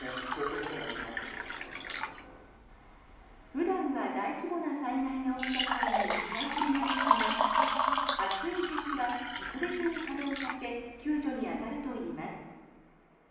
普段は大規模な災害が起きた際に使う車ですが暑い時期は特別に稼働させ救助に当たるといいます。